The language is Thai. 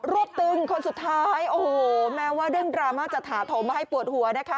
วบตึงคนสุดท้ายโอ้โหแม้ว่าเรื่องดราม่าจะถาโถมมาให้ปวดหัวนะคะ